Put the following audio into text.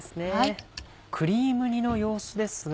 クリーム煮の様子ですが。